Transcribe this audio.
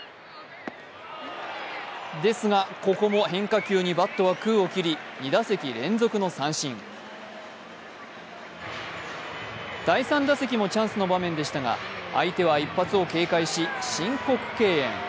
ですが、ここも変化球にバットは空を切り２打席連続の三振第３打席もチャンスの場面でしたが相手は一発を警戒し、申告敬遠。